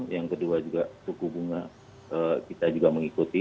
yang kedua juga suku bunga kita juga mengikuti